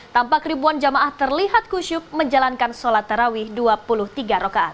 tampak ribuan jamaah terlihat kusyuk menjalankan sholat tarawih dua puluh tiga rokaat